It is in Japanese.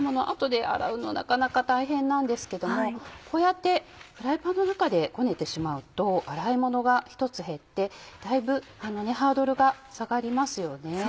あとで洗うのなかなか大変なんですけどもこうやってフライパンの中でこねてしまうと洗い物が１つ減ってだいぶハードルが下がりますよね。